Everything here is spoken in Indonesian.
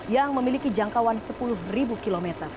yang memiliki jangkauan sepuluh km